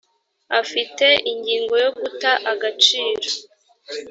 afite ingingo yo guta agaciro .